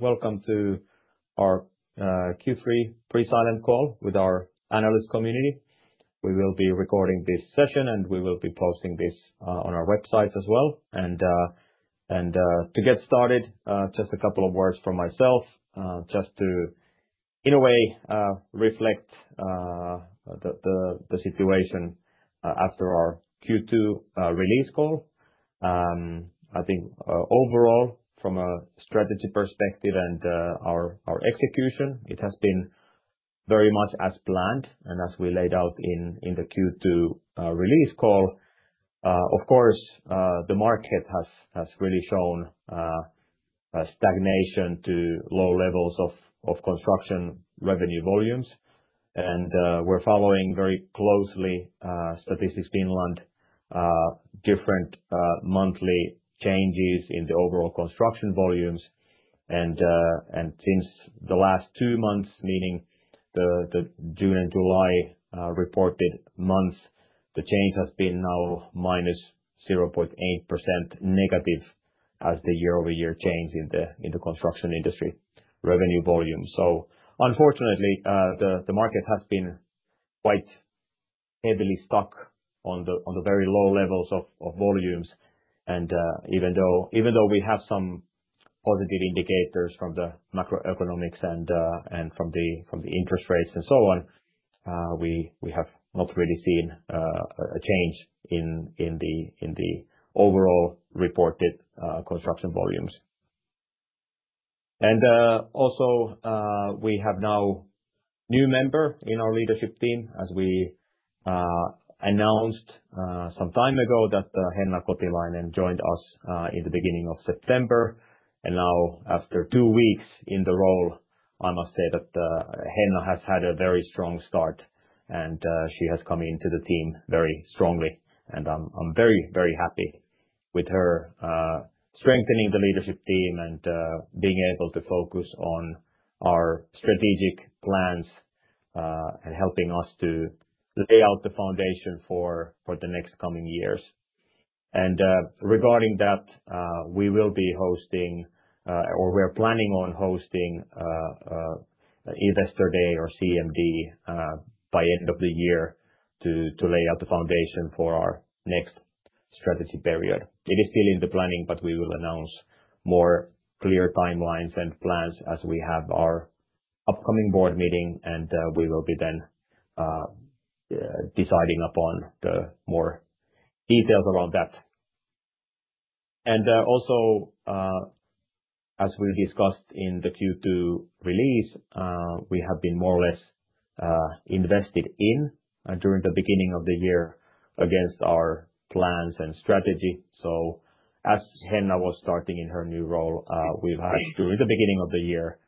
Welcome to our Q3 Pre-Silent Call with our analyst community. We will be recording this session, and we will be posting this on our website as well. To get started, just a couple of words from myself, just to, in a way, reflect the situation after our Q2 release call. I think overall, from a strategy perspective and our execution, it has been very much as planned and as we laid out in the Q2 release call. Of course, the market has really shown stagnation to low levels of construction revenue volumes. We are following very closely Statistics Finland's different monthly changes in the overall construction volumes. Since the last two months, meaning the June and July reported months, the change has been now minus 0.8% negative as the year-over-year change in the construction industry revenue volume. Unfortunately, the market has been quite heavily stuck on the very low levels of volumes. Even though we have some positive indicators from the macroeconomics and from the interest rates and so on, we have not really seen a change in the overall reported construction volumes. Also, we have now a new member in our leadership team. As we announced some time ago, Henna Kotilainen joined us in the beginning of September. Now, after two weeks in the role, I must say that Henna has had a very strong start, and she has come into the team very strongly. I am very, very happy with her strengthening the leadership team and being able to focus on our strategic plans and helping us to lay out the foundation for the next coming years. Regarding that, we will be hosting, or we're planning on hosting Investor Day or CMD by end of the year to lay out the foundation for our next strategy period. It is still in the planning, but we will announce more clear timelines and plans as we have our upcoming board meeting, and we will be then deciding upon the more details around that. Also, as we discussed in the Q2 release, we have been more or less invested in during the beginning of the year against our plans and strategy. As Henna was starting in her new role, we've had during the beginning of the year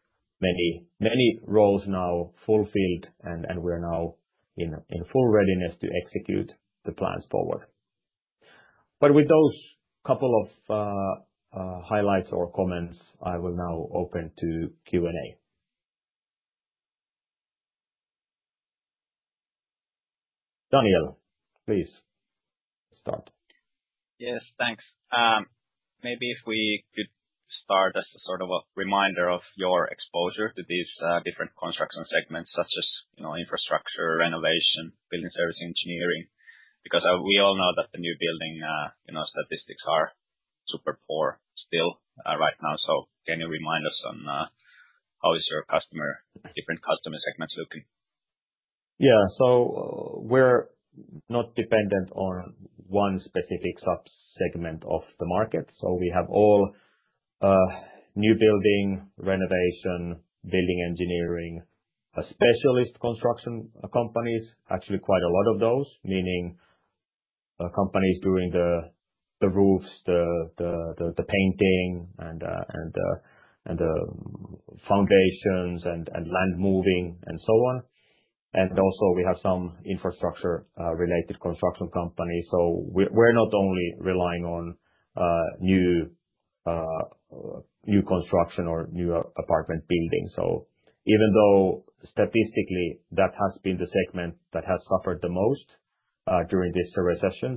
many roles now fulfilled, and we're now in full readiness to execute the plans forward. With those couple of highlights or comments, I will now open to Q&A. Daniel, please start. Yes, thanks. Maybe if we could start as a sort of a reminder of your exposure to these different construction segments, such as infrastructure, renovation, building service engineering, because we all know that the new building statistics are super poor still right now. Can you remind us on how is your different customer segments looking? Yeah, so we're not dependent on one specific subsegment of the market. We have all new building, renovation, building engineering, specialist construction companies, actually quite a lot of those, meaning companies doing the roofs, the painting, and the foundations and land moving and so on. Also, we have some infrastructure-related construction companies. We're not only relying on new construction or new apartment buildings. Even though statistically that has been the segment that has suffered the most during this recession,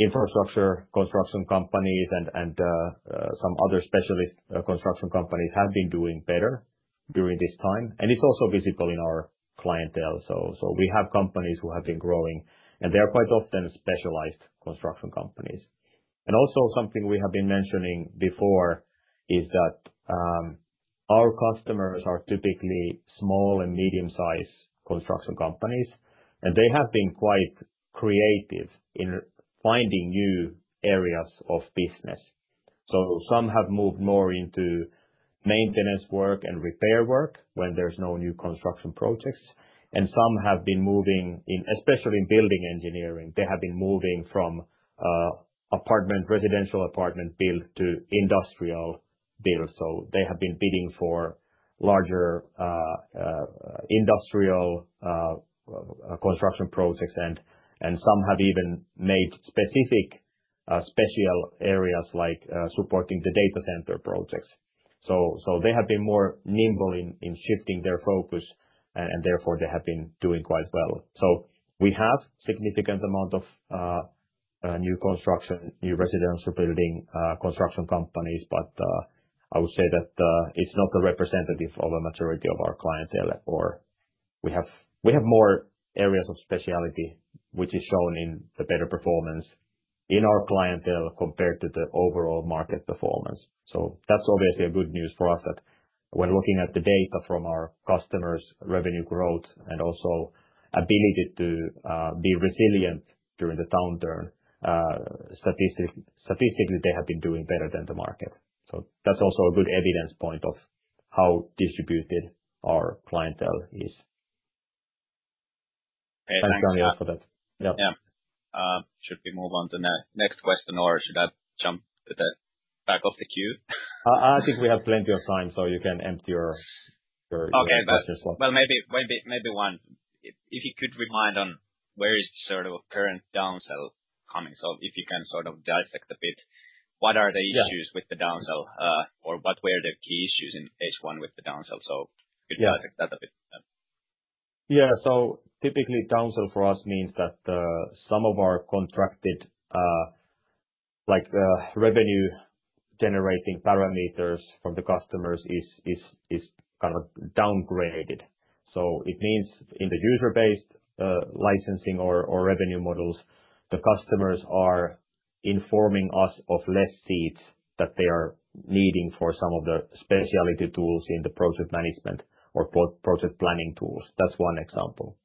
infrastructure construction companies and some other specialist construction companies have been doing better during this time. It's also visible in our clientele. We have companies who have been growing, and they are quite often specialized construction companies. Also, something we have been mentioning before is that our customers are typically small and medium-sized construction companies, and they have been quite creative in finding new areas of business. Some have moved more into maintenance work and repair work when there are no new construction projects. Some have been moving, especially in building engineering, from residential apartment build to industrial build. They have been bidding for larger industrial construction projects, and some have even made specific special areas like supporting the data center projects. They have been more nimble in shifting their focus, and therefore they have been doing quite well. We have a significant amount of new construction, new residential building construction companies, but I would say that it's not representative of a majority of our clientele, or we have more areas of speciality, which is shown in the better performance in our clientele compared to the overall market performance. That's obviously good news for us that when looking at the data from our customers' revenue growth and also ability to be resilient during the downturn, statistically they have been doing better than the market. That's also a good evidence point of how distributed our clientele is. Thanks, Daniel, for that. Yeah, should we move on to the next question, or should I jump back off the queue? I think we have plenty of time, so you can empty your questions slowly. Maybe one. If you could remind on where is the sort of current downsell coming. If you can sort of dissect a bit, what are the issues with the downsell, or what were the key issues in phase one with the downsell? If you could dissect that a bit. Yeah, typically downsell for us means that some of our contracted revenue-generating parameters from the customers is kind of downgraded. It means in the user-based licensing or revenue models, the customers are informing us of less seats that they are needing for some of the specialty tools in the project management or project planning tools. That's one example.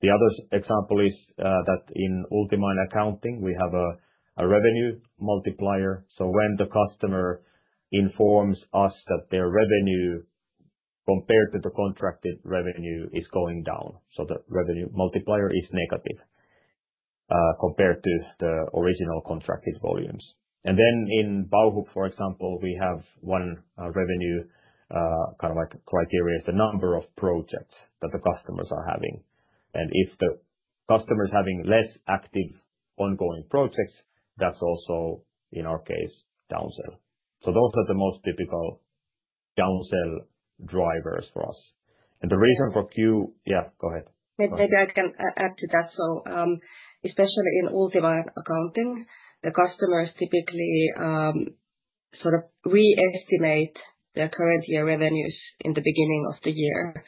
Another example is that in Ultima Accounting, we have a revenue multiplier. When the customer informs us that their revenue compared to the contracted revenue is going down, the revenue multiplier is negative compared to the original contracted volumes. In Bauhub, for example, we have one revenue kind of criteria, which is the number of projects that the customers are having. If the customer is having less active ongoing projects, that's also in our case downsell. Those are the most typical downsell drivers for us. The reason for queue, yeah, go ahead. Maybe I can add to that. Especially in Ultima Accounting, the customers typically sort of reestimate their current year revenues in the beginning of the year.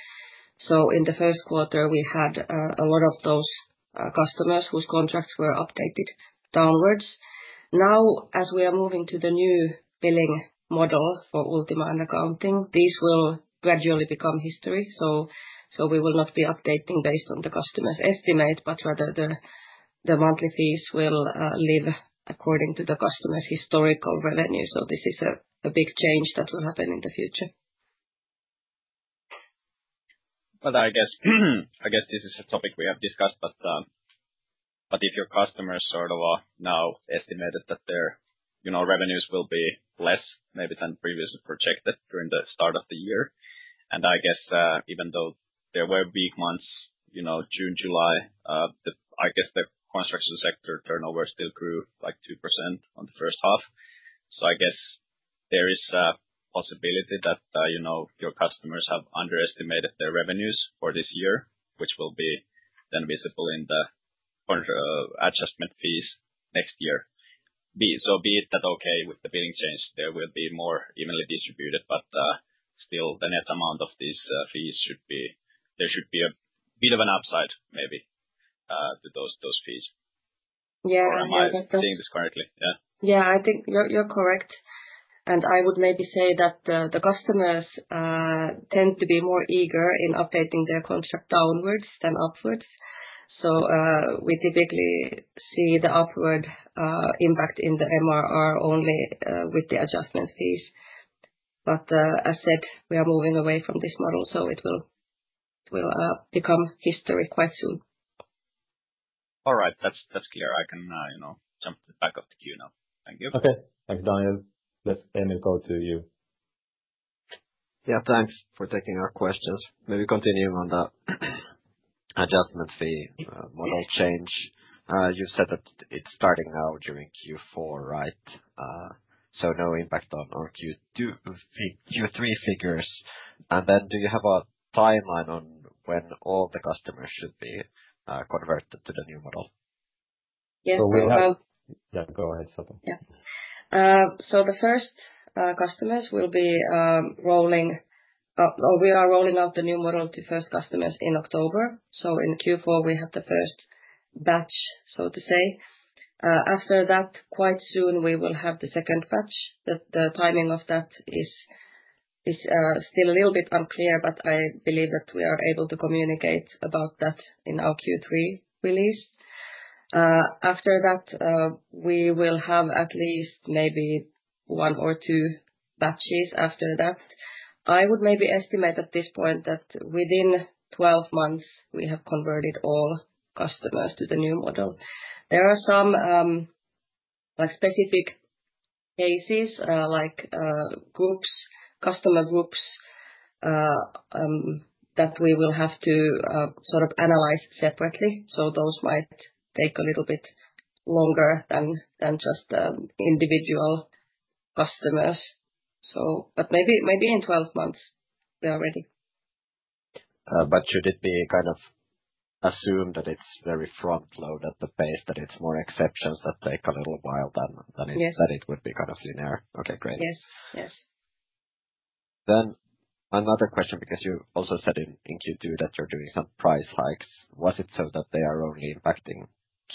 In the first quarter, we had a lot of those customers whose contracts were updated downwards. Now, as we are moving to the new billing model for Ultima Accounting, these will gradually become history. We will not be updating based on the customer's estimate, but rather the monthly fees will live according to the customer's historical revenue. This is a big change that will happen in the future. I guess this is a topic we have discussed, but if your customers sort of now estimated that their revenues will be less maybe than previously projected during the start of the year, and I guess even though there were weak months, June, July, I guess the construction sector turnover still grew like 2% on the first half. I guess there is a possibility that your customers have underestimated their revenues for this year, which will be then visible in the adjustment fees next year. Be it that, okay, with the billing change, there will be more evenly distributed, but still the net amount of these fees should be there should be a bit of an upside maybe to those fees. Yeah, I think. Am I saying this correctly? Yeah. Yeah, I think you're correct. I would maybe say that the customers tend to be more eager in updating their contract downwards than upwards. We typically see the upward impact in the MRR only with the adjustment fees. As said, we are moving away from this model, so it will become history quite soon. All right, that's clear. I can jump back off the queue now. Thank you. Okay, thanks, Daniel. Let's maybe go to you. Yeah, thanks for taking our questions. Maybe continuing on the adjustment fee model change. You've said that it's starting now during Q4, right? No impact on Q3 figures. Do you have a timeline on when all the customers should be converted to the new model? Yes, we have. Yeah, go ahead, Satu. Yeah. The first customers will be rolling, or we are rolling out the new model to first customers in October. In Q4, we have the first batch, so to say. After that, quite soon, we will have the second batch. The timing of that is still a little bit unclear, but I believe that we are able to communicate about that in our Q3 release. After that, we will have at least maybe one or two batches after that. I would maybe estimate at this point that within 12 months, we have converted all customers to the new model. There are some specific cases, like groups, customer groups that we will have to sort of analyze separately. Those might take a little bit longer than just individual customers. Maybe in 12 months, we are ready. Should it be kind of assumed that it's very front-loaded, the pace, that it's more exceptions that take a little while than it would be kind of linear? Yes. Okay, great. Yes, yes. Another question, because you also said in Q2 that you're doing some price hikes. Was it so that they are only impacting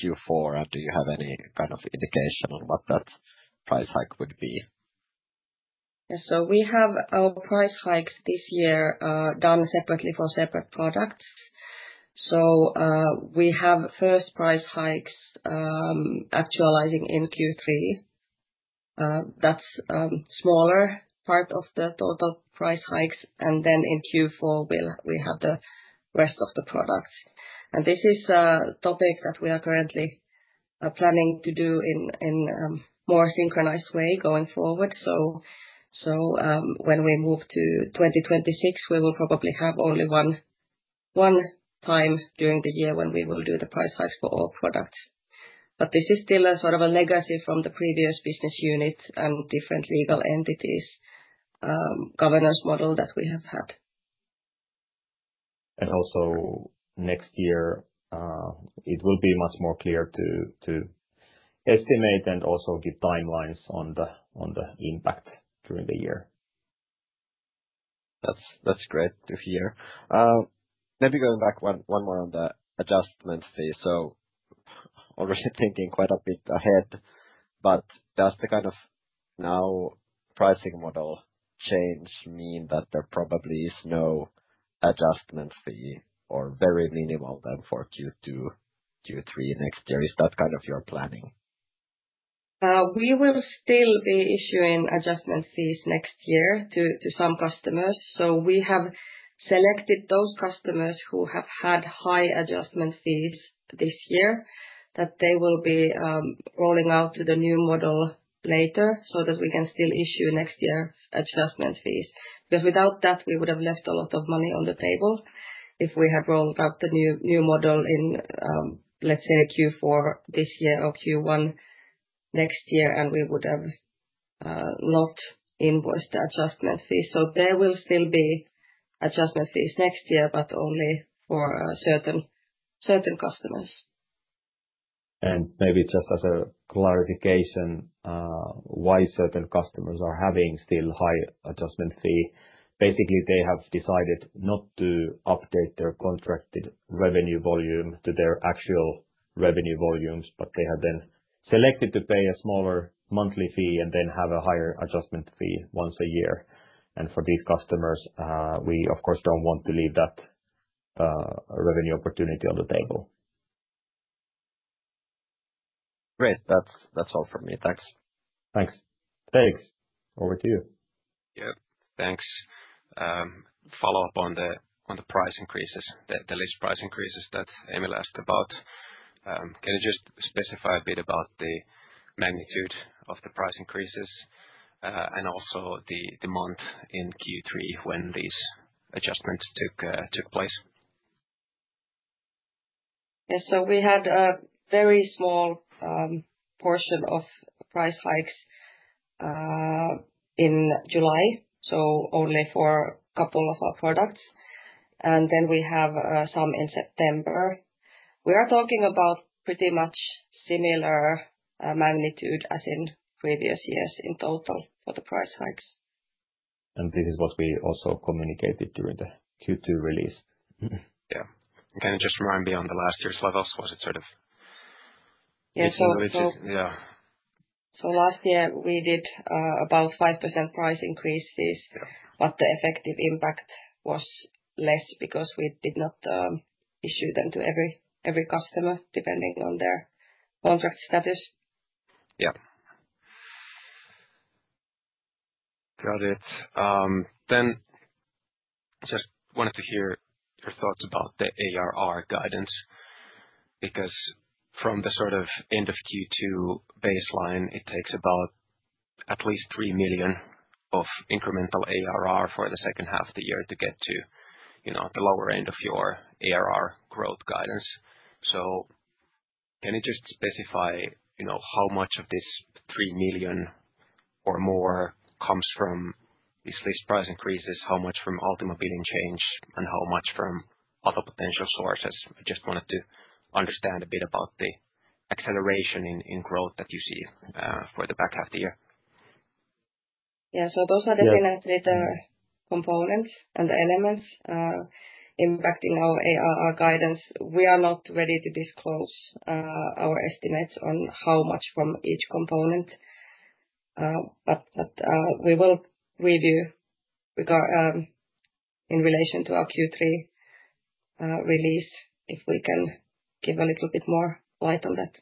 Q4? Do you have any kind of indication on what that price hike would be? Yes, so we have our price hikes this year done separately for separate products. We have first price hikes actualizing in Q3. That's a smaller part of the total price hikes. In Q4, we have the rest of the products. This is a topic that we are currently planning to do in a more synchronized way going forward. When we move to 2026, we will probably have only one time during the year when we will do the price hikes for all products. This is still a sort of a legacy from the previous business unit and different legal entities, governance model that we have had. Next year, it will be much more clear to estimate and also give timelines on the impact during the year. That's great to hear. Maybe going back one more on the adjustment fee. Already thinking quite a bit ahead, but does the kind of now pricing model change mean that there probably is no adjustment fee or very minimal then for Q2, Q3 next year? Is that kind of your planning? We will still be issuing adjustment fees next year to some customers. We have selected those customers who have had high adjustment fees this year that they will be rolling out to the new model later so that we can still issue next year's adjustment fees. Without that, we would have left a lot of money on the table if we had rolled out the new model in, let's say, Q4 this year or Q1 next year, and we would have not invoiced the adjustment fees. There will still be adjustment fees next year, but only for certain customers. Maybe just as a clarification, why certain customers are having still high adjustment fee? Basically, they have decided not to update their contracted revenue volume to their actual revenue volumes, but they have then selected to pay a smaller monthly fee and then have a higher adjustment fee once a year. For these customers, we, of course, do not want to leave that revenue opportunity on the table. Great. That's all from me. Thanks. Thanks. Thanks. Over to you. Yeah, thanks. Follow up on the price increases, the list price increases that Emily asked about. Can you just specify a bit about the magnitude of the price increases and also the demand in Q3 when these adjustments took place? Yes, so we had a very small portion of price hikes in July, so only for a couple of our products. And then we have some in September. We are talking about pretty much similar magnitude as in previous years in total for the price hikes. This is what we also communicated during the Q2 release. Yeah. Can you just remind me on the last year's levels? Was it sort of similar? Yeah, last year we did about 5% price increases, but the effective impact was less because we did not issue them to every customer depending on their contract status. Yeah. Got it. I just wanted to hear your thoughts about the ARR guidance because from the sort of end of Q2 baseline, it takes about at least $3 million of incremental ARR for the second half of the year to get to the lower end of your ARR growth guidance. Can you just specify how much of this $3 million or more comes from these list price increases, how much from Ultima Accounting billing change, and how much from other potential sources? I just wanted to understand a bit about the acceleration in growth that you see for the back half of the year. Yeah, so those are definitely the components and the elements impacting our ARR guidance. We are not ready to disclose our estimates on how much from each component, but we will review in relation to our Q3 release if we can give a little bit more light on that.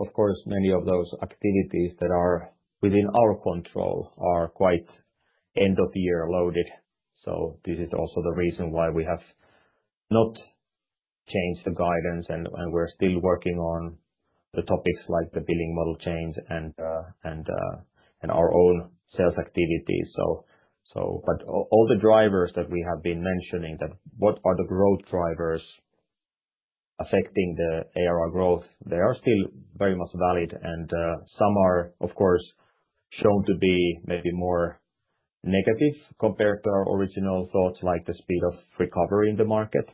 Of course, many of those activities that are within our control are quite end-of-year loaded. This is also the reason why we have not changed the guidance, and we're still working on the topics like the billing model change and our own sales activities. All the drivers that we have been mentioning, that what are the growth drivers affecting the ARR growth, they are still very much valid. Some are, of course, shown to be maybe more negative compared to our original thoughts, like the speed of recovery in the market.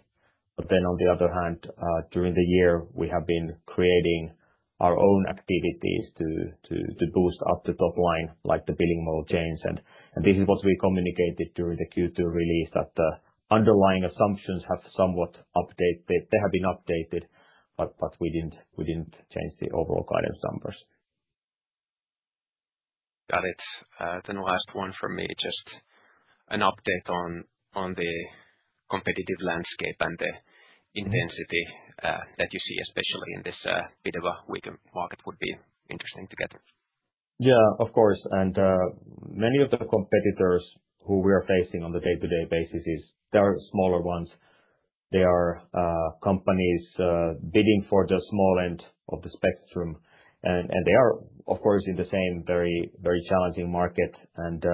On the other hand, during the year, we have been creating our own activities to boost up the top line, like the billing model change. This is what we communicated during the Q2 release, that the underlying assumptions have somewhat updated. They have been updated, but we didn't change the overall guidance numbers. Got it. Last one for me, just an update on the competitive landscape and the intensity that you see, especially in this bit of a weaker market would be interesting to get. Yeah, of course. Many of the competitors who we are facing on a day-to-day basis are smaller ones. They are companies bidding for the small end of the spectrum. They are, of course, in the same very challenging market. It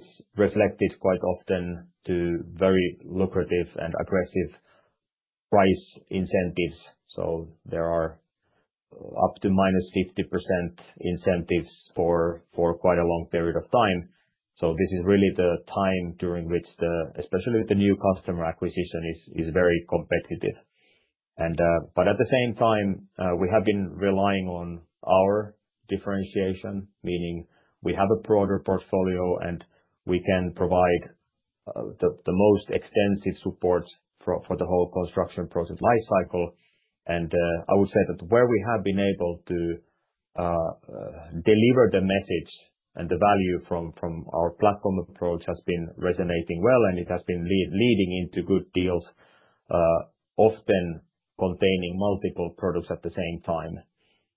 is reflected quite often in very lucrative and aggressive price incentives. There are up to -50% incentives for quite a long period of time. This is really the time during which, especially with new customer acquisition, it is very competitive. At the same time, we have been relying on our differentiation, meaning we have a broader portfolio, and we can provide the most extensive support for the whole construction process lifecycle. I would say that where we have been able to deliver the message and the value from our platform approach has been resonating well, and it has been leading into good deals, often containing multiple products at the same time.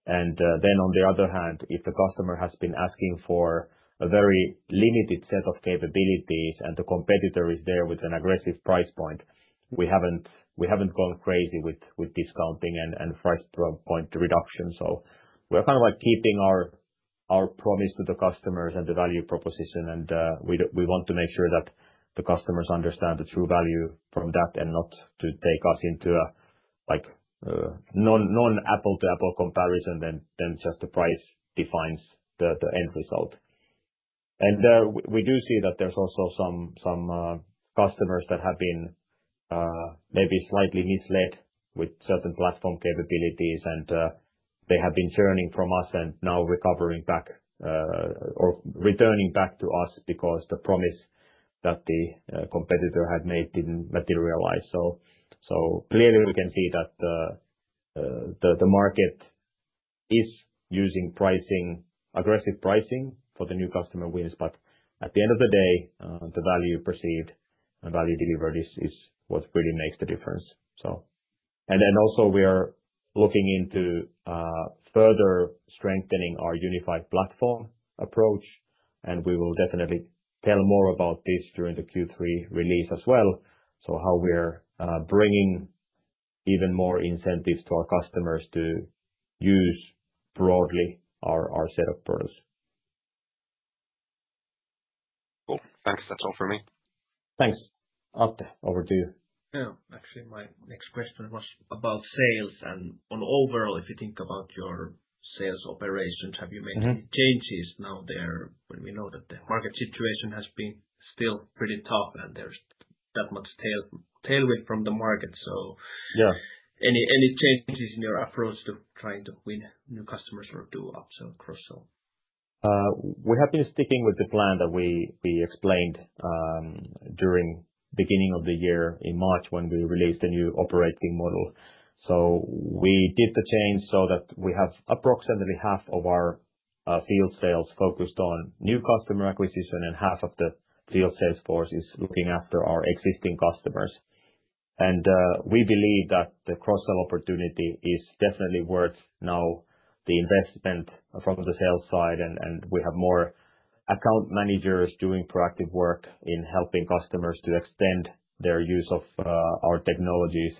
On the other hand, if the customer has been asking for a very limited set of capabilities and the competitor is there with an aggressive price point, we have not gone crazy with discounting and price point reduction. We are kind of like keeping our promise to the customers and the value proposition, and we want to make sure that the customers understand the true value from that and not to take us into a non-Apple to Apple comparison than just the price defines the end result. We do see that there's also some customers that have been maybe slightly misled with certain platform capabilities, and they have been churning from us and now recovering back or returning back to us because the promise that the competitor had made did not materialize. Clearly, we can see that the market is using aggressive pricing for the new customer wins. At the end of the day, the value perceived and value delivered is what really makes the difference. We are looking into further strengthening our unified platform approach. We will definitely tell more about this during the Q3 release as well, how we are bringing even more incentives to our customers to use broadly our set of products. Cool. Thanks. That's all for me. Thanks. Atte, over to you. Yeah, actually, my next question was about sales. On overall, if you think about your sales operations, have you made any changes now there when we know that the market situation has been still pretty tough and there's that much tailwind from the market? Any changes in your approach to trying to win new customers or do upsell cross-sell? We have been sticking with the plan that we explained during the beginning of the year in March when we released the new operating model. We did the change so that we have approximately half of our field sales focused on new customer acquisition, and half of the field sales force is looking after our existing customers. We believe that the cross-sell opportunity is definitely worth now the investment from the sales side. We have more account managers doing proactive work in helping customers to extend their use of our technologies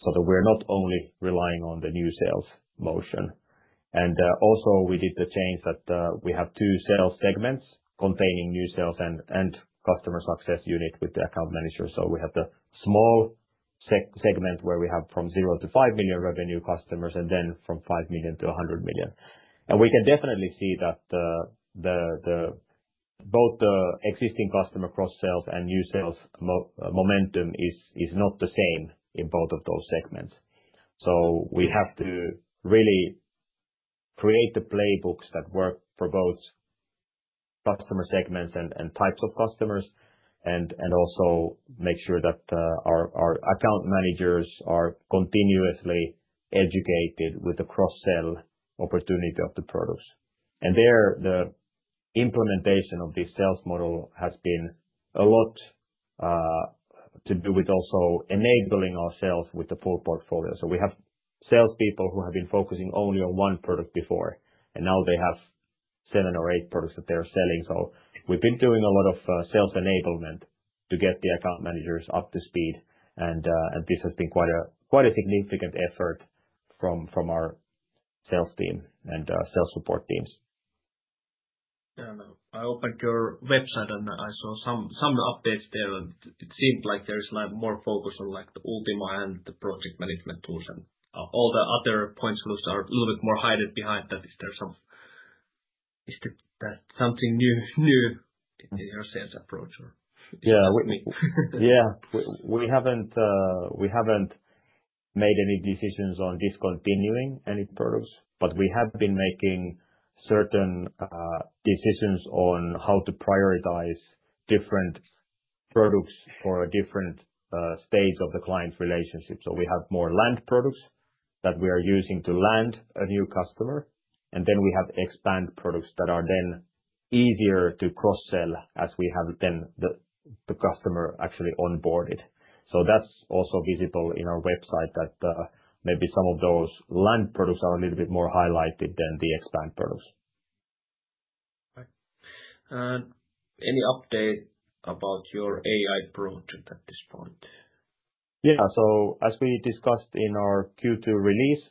so that we are not only relying on the new sales motion. We also did the change that we have two sales segments containing new sales and customer success unit with the account manager. We have the small segment where we have from 0 to 5 million revenue customers and then from 5 million to 100 million. We can definitely see that both the existing customer cross-sales and new sales momentum is not the same in both of those segments. We have to really create the playbooks that work for both customer segments and types of customers and also make sure that our account managers are continuously educated with the cross-sell opportunity of the products. There, the implementation of this sales model has been a lot to do with also enabling ourselves with the full portfolio. We have salespeople who have been focusing only on one product before, and now they have seven or eight products that they are selling. We have been doing a lot of sales enablement to get the account managers up to speed. This has been quite a significant effort from our sales team and sales support teams. Yeah, I opened your website, and I saw some updates there. It seemed like there is more focus on the Ultima and the project management tools, and all the other points are a little bit more hidden behind that. Is there something new in your sales approach? Yeah, we haven't made any decisions on discontinuing any products, but we have been making certain decisions on how to prioritize different products for a different stage of the client relationship. We have more land products that we are using to land a new customer, and then we have expand products that are then easier to cross-sell as we have the customer actually onboarded. That is also visible in our website that maybe some of those land products are a little bit more highlighted than the expand products. Okay. Any update about your AI project at this point? Yeah, as we discussed in our Q2 release,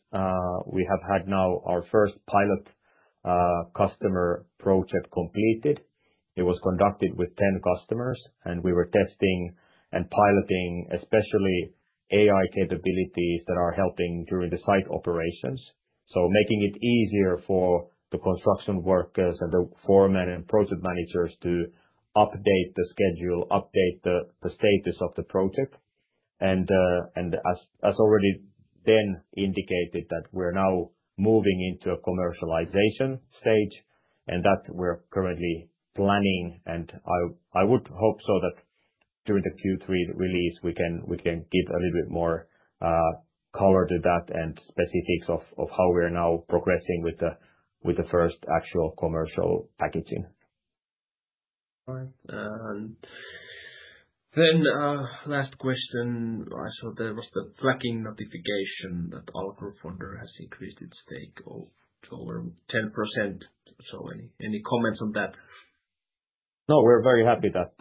we have had now our first pilot customer project completed. It was conducted with 10 customers, and we were testing and piloting especially AI capabilities that are helping during the site operations, making it easier for the construction workers and the foreman and project managers to update the schedule, update the status of the project. As already then indicated, we are now moving into a commercialization stage and that we are currently planning. I would hope so that during the Q3 release, we can give a little bit more color to that and specifics of how we are now progressing with the first actual commercial packaging. All right. Last question. I saw there was the flagging notification that our group funder has increased its stake over 10%. Any comments on that? No, we're very happy that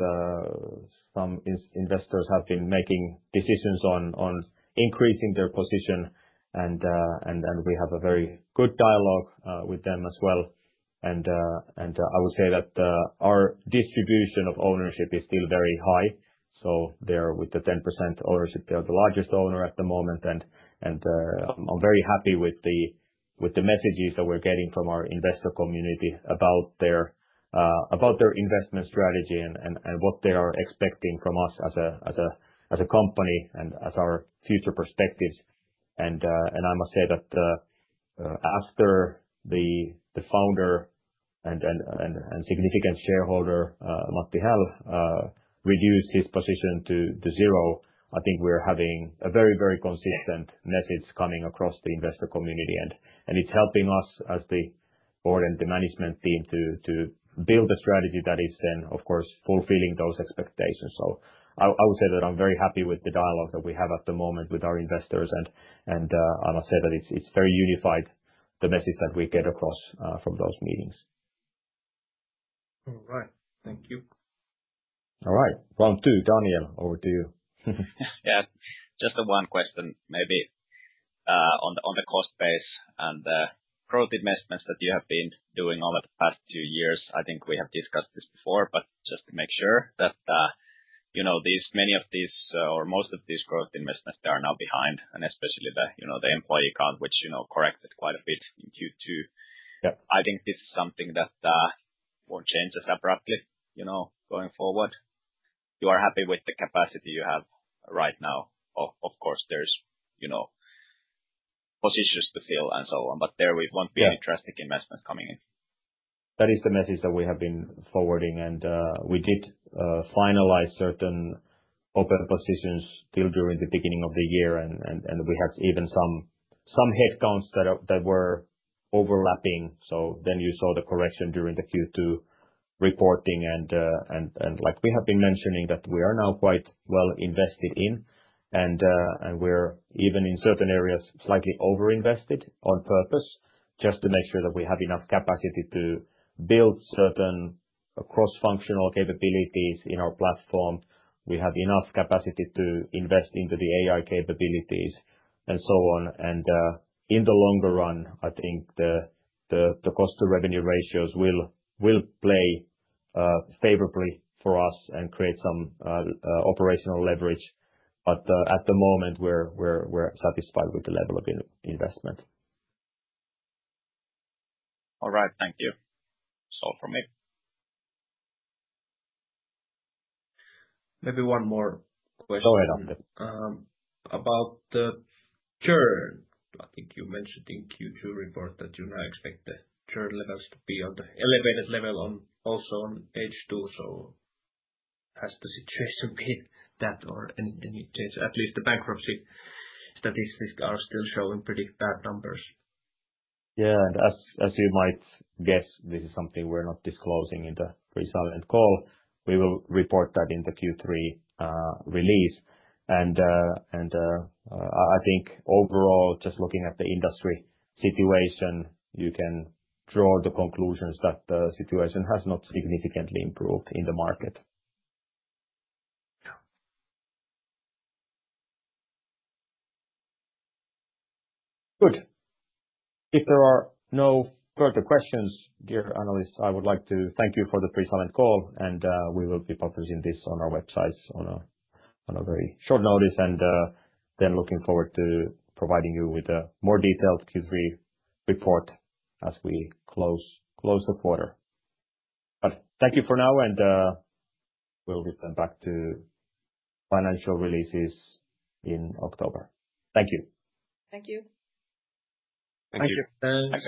some investors have been making decisions on increasing their position, and we have a very good dialogue with them as well. I would say that our distribution of ownership is still very high. They are with the 10% ownership. They are the largest owner at the moment. I'm very happy with the messages that we're getting from our investor community about their investment strategy and what they are expecting from us as a company and as our future perspectives. I must say that after the founder and significant shareholder, Matti Häll, reduced his position to zero, I think we are having a very, very consistent message coming across the investor community. It's helping us as the board and the management team to build a strategy that is then, of course, fulfilling those expectations. I would say that I'm very happy with the dialogue that we have at the moment with our investors. I must say that it's very unified, the message that we get across from those meetings. All right. Thank you. All right. Round two, Daniel, over to you. Yeah, just one question maybe on the cost base and the growth investments that you have been doing over the past two years. I think we have discussed this before, but just to make sure that many of these or most of these growth investments, they are now behind, and especially the employee count, which corrected quite a bit in Q2. I think this is something that will not change as abruptly going forward. You are happy with the capacity you have right now. Of course, there are positions to fill and so on, but there will not be any drastic investments coming in. That is the message that we have been forwarding. We did finalize certain open positions still during the beginning of the year, and we had even some headcounts that were overlapping. You saw the correction during the Q2 reporting. Like we have been mentioning, we are now quite well invested in, and we're even in certain areas slightly overinvested on purpose just to make sure that we have enough capacity to build certain cross-functional capabilities in our platform. We have enough capacity to invest into the AI capabilities and so on. In the longer run, I think the cost-to-revenue ratios will play favorably for us and create some operational leverage. At the moment, we're satisfied with the level of investment. All right. Thank you. That's all for me. Maybe one more question. Go ahead, Atte. About the churn. I think you mentioned in Q2 report that you now expect the churn levels to be on the elevated level also on H2. Has the situation been that or any change? At least the bankruptcy statistics are still showing predictable numbers. Yeah, and as you might guess, this is something we're not disclosing in the pre-silent call. We will report that in the Q3 release. I think overall, just looking at the industry situation, you can draw the conclusions that the situation has not significantly improved in the market. Good. If there are no further questions, dear analysts, I would like to thank you for the pre-silent call, and we will be publishing this on our websites on a very short notice. I am looking forward to providing you with a more detailed Q3 report as we close the quarter. Thank you for now, and we'll return back to financial releases in October. Thank you. Thank you. Thank you. Thank you.